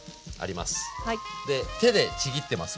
で手でちぎってます